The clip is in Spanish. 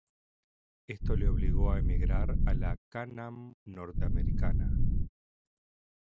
Esto le obligó a emigrar a la Can-Am norteamericana.